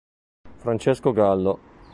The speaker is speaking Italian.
Francesco Gallo